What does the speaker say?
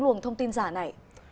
những thông tin giả này